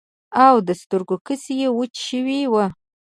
او د سترګو کسی مې وچ شوي وو.